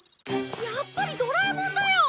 やっぱりドラえもんだよ！